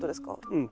うん。